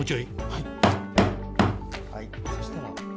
はいそしたら。